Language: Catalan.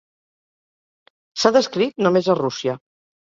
S'ha descrit només a Rússia.